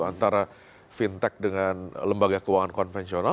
antara fintech dengan lembaga keuangan konvensional